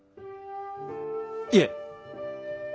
いえ。